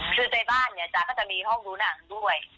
คือในบ้านเนี่ยจ๊ะก็จะมีห้องดูหนังด้วย